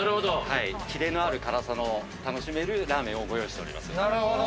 キレのある辛さを楽しめるラーメンをご用意しております。